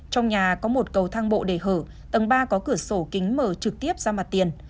trong nhà có một cầu thang bộ để hở tầng ba có cửa sổ kính mở trực tiếp ra mặt tiền